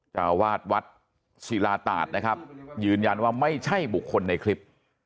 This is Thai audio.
เจ้าวาดวัดศิลาตาศนะครับยืนยันว่าไม่ใช่บุคคลในคลิป